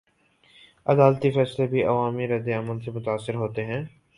عدالتی فیصلے بھی عوامی ردعمل سے متاثر ہوتے ہیں؟